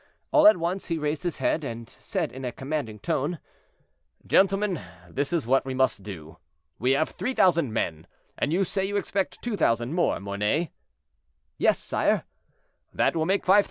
All at once he raised his head, and said in a commanding tone: "Gentlemen, this is what we must do. We have 3,000 men, and you say you expect 2,000 more, Mornay?" "Yes, sire." "That will make 5,000.